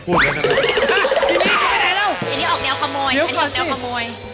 อันนี้ออกแนวขโมย